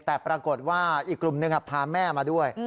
แต่ปรากฏว่าอีกกลุ่มหนึ่งพาแม่มาด้วย